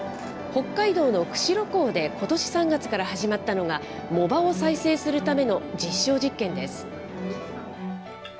北海道の釧路港で、ことし３月から始まったのが、藻場を再生するための実証実験です。